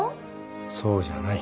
そうじゃない